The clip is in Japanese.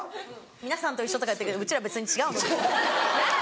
「皆さんと一緒」とか言ってるけどうちら別に違う。